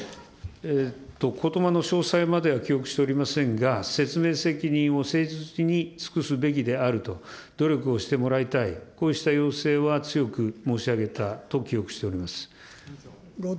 ことばの詳細までは記憶しておりませんが、説明責任を誠実に尽くすべきであると、努力をしてもらいたい、こうした要請は強く申し上げたと記憶しております。